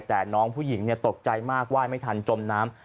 แต่น้องผู้หญิงตกใจมากไหว้ไม่ทันจมน้ำ